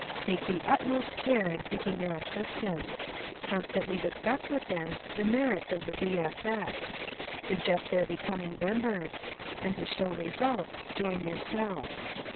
Take the utmost care in picking your assistants ; constantly discuss with them the merits of the V. S. S. _; suggest their becoming members : And to show results join yourself.